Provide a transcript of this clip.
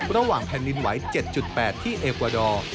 ระหว่างแผ่นดินไหว๗๘ที่เอกวาดอร์